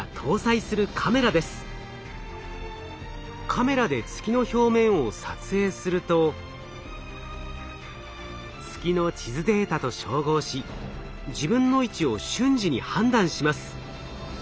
カメラで月の表面を撮影すると月の地図データと照合し自分の位置を瞬時に判断します。